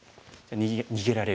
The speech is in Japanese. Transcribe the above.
逃げられる。